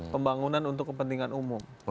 pembangunan untuk kepentingan umum